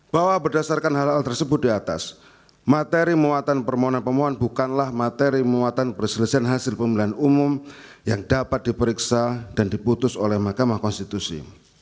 bahwa berdasarkan hal hal tersebut di atas materi muatan permohonan pemohon bukanlah materi muatan perselesaian hasil pemilihan umum yang dapat diperiksa dan diputus oleh mahkamah konstitusi